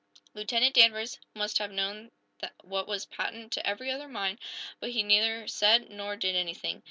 Lieutenant Danvers must have known what was patent to every other mind but he neither said nor did anything.